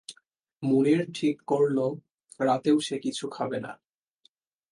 মুনির ঠিক করল, রাতেও সে কিছু খাবে না।